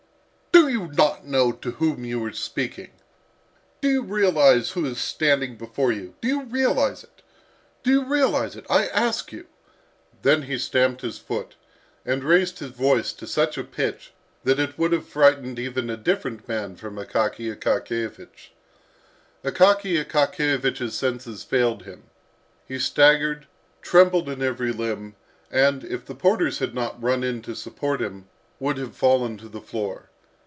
"Do you know to whom you are speaking? Do you realise who is standing before you? Do you realise it? Do you realise it, I ask you!" Then he stamped his foot, and raised his voice to such a pitch that it would have frightened even a different man from Akaky Akakiyevich. Akaky Akakiyevich's senses failed him. He staggered, trembled in every limb, and, if the porters had not run in to support him, would have fallen to the floor.